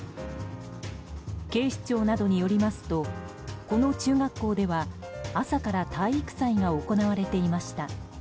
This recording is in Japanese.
警視庁などによりますとこの中学校では朝から体育祭が行われていました。